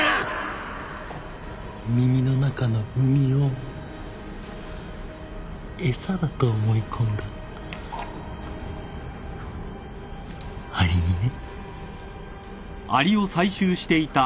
耳の中のうみを餌だと思い込んだアリにね。